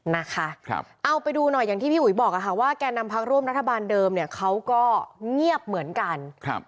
น่ะครับอ้าวไปดูหน่อยกันที่บอกกันว่าแกนำพักร่วมรัฐบาลเดิมเนี่ยเขาก็เงียบเหมือนกันครับ